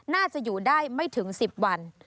น่าจะอยู่ได้ไม่ถึง๑๐วัน